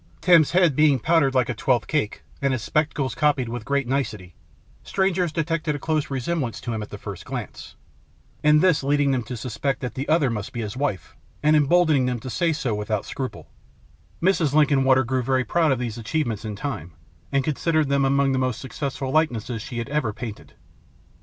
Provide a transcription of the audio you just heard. Tim's head being powdered like a twelfth cake, and his spectacles copied with great nicety, strangers detected a close resemblance to him at the first glance, and this leading them to suspect that the other must be his wife, and emboldening them to say so without scruple, Mrs. Linkinwater grew very proud of these achievements in time, and considered them among the most successful likenesses she had ever painted.